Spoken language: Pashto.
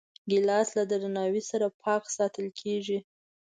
ګیلاس له درناوي سره پاک ساتل کېږي.